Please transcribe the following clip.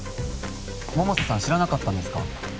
百瀬さん知らなかったんですか